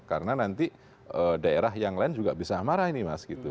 karena nanti daerah yang lain juga bisa marah ini mas